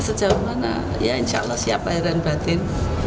sejauh mana ya insya allah siapa heran batin